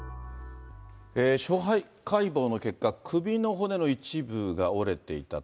司法解剖の結果、首の骨の一部が折れていた。